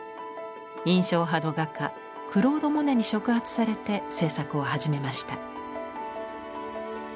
印象派の画家クロード・モネに触発されて制作を始めました。